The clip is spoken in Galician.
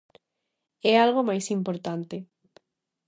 É algo máis importante.